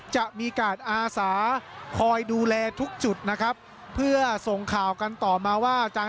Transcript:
จะมีการอาสาคอยดูแลทุกจุดนะครับเพื่อส่งข่าวกันต่อมาว่า